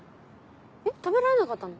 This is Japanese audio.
えっ食べられなかったの？